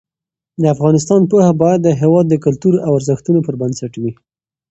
د افغانستان پوهه باید د هېواد د کلتور او ارزښتونو پر بنسټ وي.